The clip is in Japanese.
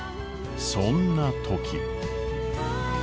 そんな時。